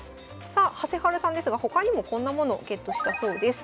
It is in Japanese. さあはせはるさんですが他にもこんなものをゲットしたそうです。